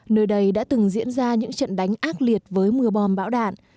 nơi đây đã từng diễn ra những trận đánh ác liệt với mưa bom bão đạn